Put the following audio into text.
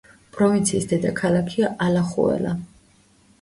პროვინციის დედაქალაქია ალახუელა.